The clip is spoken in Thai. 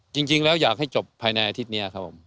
จริงแล้วอยากให้จบภายในอาทิตย์นี้ครับผม